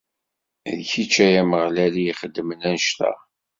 D kečč, ay Ameɣlal, i ixedmen annect-a.